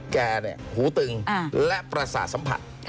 หูตึงและประสาทสัมผัส